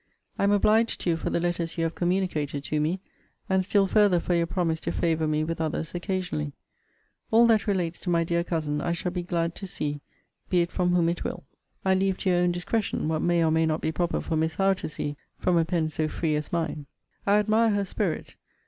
I am obliged to you for the letters you have communicated to me; and still further for your promise to favour me with others occasionally. All that relates to my dear cousin I shall be glad to see, be it from whom it will. I leave to your own discretion, what may or may not be proper for Miss Howe to see from a pen so free as mine. I admire her spirit.